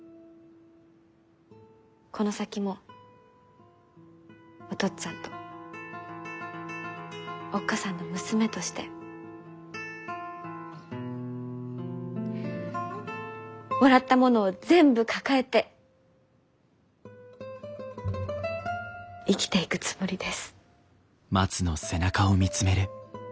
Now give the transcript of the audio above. この先もお父っつぁんとおっ母さんの娘としてもらったものを全部抱えて生きていくつもりです。